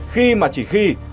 khi mà chỉ khi